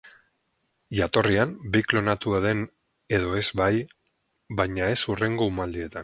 Jatorrian behi klonatua den edo ez bai, baina ez hurrengo umaldietan.